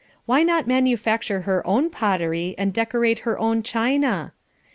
Why not manufacture her own pottery and decorate her own china?